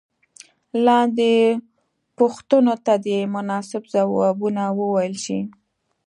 لاندې پوښتنو ته دې مناسب ځوابونه وویل شي.